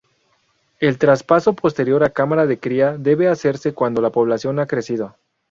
El traspaso posterior a cámara de cría debe hacerse cuando la población ha crecido.